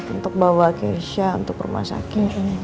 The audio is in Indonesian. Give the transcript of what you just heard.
untuk bawa keisha untuk rumah sakit